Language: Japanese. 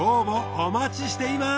お待ちしています。